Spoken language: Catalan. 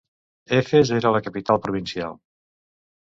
Efes era la capital provincial.